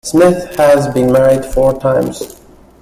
Smith has been married four times.